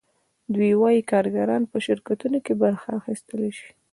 دوی وايي کارګران په شرکتونو کې برخه اخیستلی شي